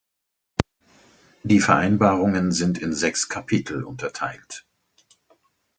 Die Vereinbarungen sind in sechs Kapitel unterteilt.